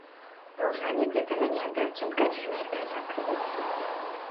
ڕۆژانێک لە تەمەنیاندا چەند کاتژمێر کاریان کردووە